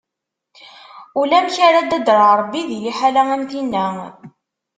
Ulamek ara d-tader Ṛebbi di liḥala am tinna.